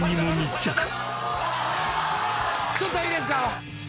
ちょっといいですか？